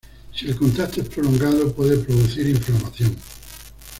Si el contacto es prolongado puede producir inflamación.